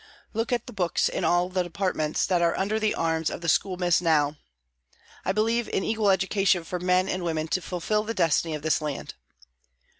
Look at the books in all departments that are under the arms of the school miss now. I believe in equal education for men and women to fulfil the destiny of this land.